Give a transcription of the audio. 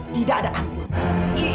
tidak ada ampun